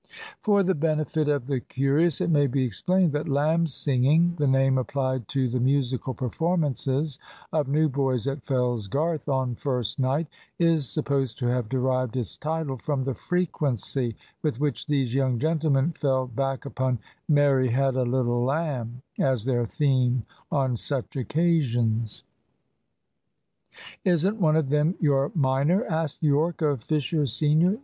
For the benefit of the curious it may be explained that "lamb's singing," the name applied to the musical performances of new boys at Fellsgarth on first night, is supposed to have derived its title from the frequency with which these young gentlemen fell back upon "Mary had a little lamb" as their theme on such occasions. "Isn't one of them your minor?" asked Yorke of Fisher senior.